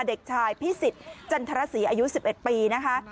เด็กชายพิสิทธิ์จันทรศรีอายุ๑๑ปีนะคะ